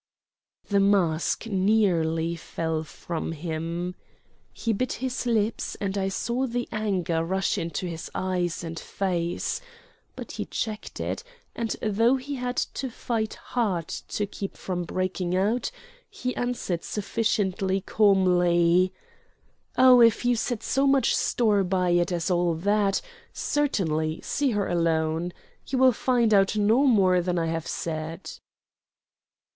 The mask nearly fell from him. He bit his lips, and I saw the anger rush to his eyes and face; but he checked it, and, though he had to fight hard to keep from breaking out, he answered sufficiently calmly: "Oh, if you set so much store by it as all that, certainly see her alone. You will find out no more than I have said."